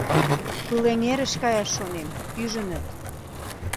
— Пылеҥерыш каяш шонем, ӱжыныт.